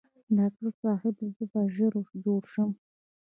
ډاکټر صاحب زه به ژر جوړ شم؟